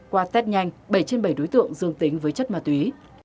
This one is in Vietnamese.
qua test nhanh bảy trên bảy đối tượng dương tính với chất ma túy